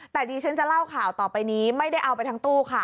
แต่ที่ฉันจะเล่าข่าวต่อไปนี้ไม่ได้เอาไปทั้งตู้ค่ะ